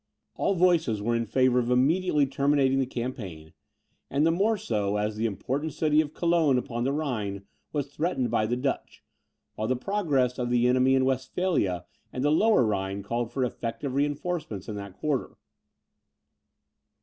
All voices were in favour of immediately terminating the campaign: and, the more so, as the important city of Cologne upon the Rhine was threatened by the Dutch, while the progress of the enemy in Westphalia and the Lower Rhine called for effective reinforcements in that quarter.